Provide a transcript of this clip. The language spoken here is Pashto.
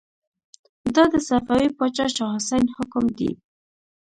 دا د صفوي پاچا شاه حسين حکم دی.